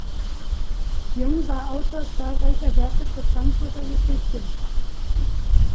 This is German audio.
Jung war Autor zahlreicher Werke zur Frankfurter Geschichte.